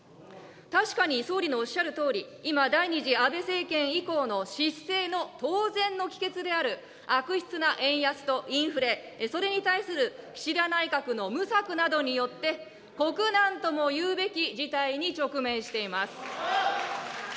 確かに総理のおっしゃるとおり、今、第２次安倍政権以降の失政の当然の帰結である悪質な円安とインフレ、それに対する岸田内閣の無策などによって、国難ともいうべき事態に直面しています。